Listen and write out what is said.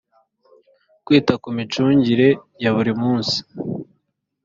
kwita ku mi cungire ya buri munsi